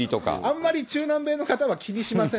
あんまり中南米の方は気にしません。